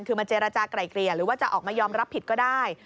คือมาเจรจากลายเกลี่ยหรือว่าจะออกมายอมรับผิดก็ได้